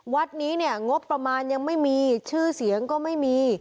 วัดนี้เนี่ยงบประมาณยังไม่มีชื่อเสียงก็ไม่มี